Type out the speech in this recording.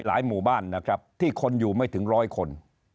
หลายหมู่บ้านนะครับที่คนอยู่ไม่ถึงร้อยคน